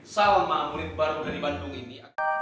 salam ma'am murid baru dari bandung ini